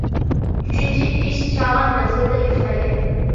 ئۈچىنچى ئىش چاغان مەزگىلىدە يۈز بەرگەن.